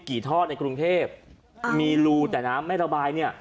กี่ท่อในกรุงเทพมีรูแต่น้ำไม่ระบายเนี่ย